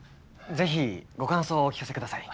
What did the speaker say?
ぜひご感想をお聞かせください。